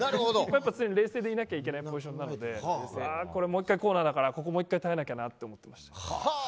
常に冷静でいなきゃいけないポジションなのでもう１回コーナーだから耐えなきゃなと思ってましたね。